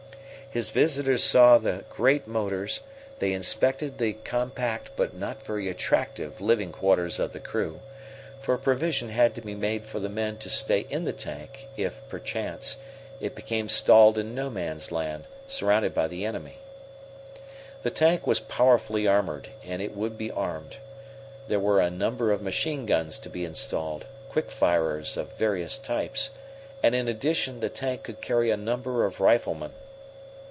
His visitors saw the great motors, they inspected the compact but not very attractive living quarters of the crew, for provision had to be made for the men to stay in the tank if, perchance, it became stalled in No Man's Land, surrounded by the enemy. The tank was powerfully armored and would be armed. There were a number of machine guns to be installed, quick firers of various types, and in addition the tank could carry a number of riflemen.